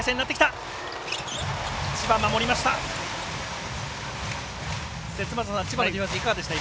千葉、守りました。